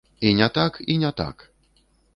І не так, і не так!